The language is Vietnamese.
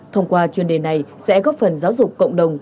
thông qua chuyên đề này sẽ góp phần giáo dục cộng đồng